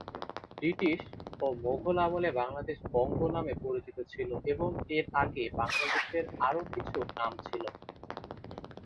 British ও মোগল আমলে বাংলাদেশ বঙ্গ নামে পরিচিত ছিল এবং এর আগে আগে বাংলাদেশের আরো কিছু নাম ছিল।